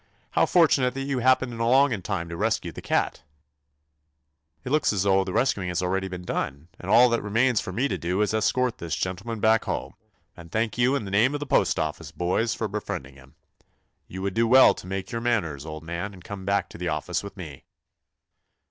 How fortunate that you hap pened along in time to rescue the cat !" "It looks as though the rescuing had already been done, and all that re 8j THE ADVENTURES OF mains for me to do is to escort this gentleman back home, and thank you in the name of the postoffice boys for befriending him. You would do well to make your manners, old man, and come back to the office with me."